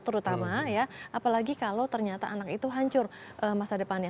terutama ya apalagi kalau ternyata anak itu hancur masa depannya